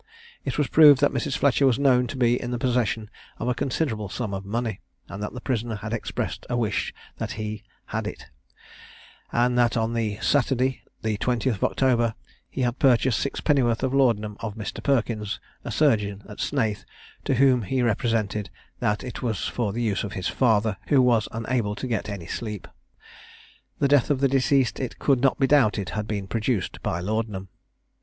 It was proved that Mrs. Fletcher was known to be in the possession of a considerable sum of money, and that the prisoner had expressed a wish that he had it; and that on the Saturday the 20th of October, he had purchased six pennyworth of laudanum of Mr. Perkins, a surgeon at Snaith, to whom he represented, that it was for the use of his father, who was unable to get any sleep. The death of the deceased it could not be doubted had been produced by laudanum.